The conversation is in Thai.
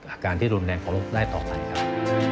อาการที่รุนแรงของโรคได้ต่อไปครับ